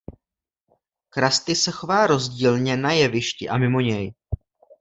Krusty se chová rozdílně na jevišti a mimo něj.